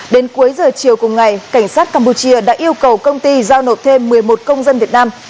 đến cuối giờ chiều cùng ngày cảnh sát campuchia đã yêu cầu công ty giao nộp thêm một mươi một công dân việt nam